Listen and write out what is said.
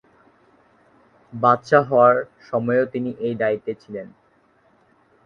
বাদশাহ হওয়ার সময়ও তিনি এই দায়িত্বে ছিলেন।